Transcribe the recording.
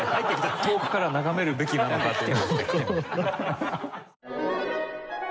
遠くから眺めるべきなのかと。